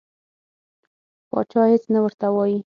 پاچا هیڅ نه ورته وایي.